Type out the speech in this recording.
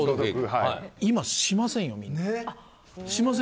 今、しませんよね、みんな。